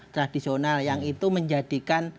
tradisional yang itu menjadikan